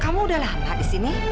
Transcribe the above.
kamu udah lama di sini